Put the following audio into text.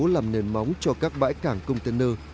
làm nền móng cho các bãi cảng container